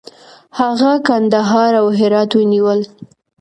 هغه کندهار او هرات ونیول.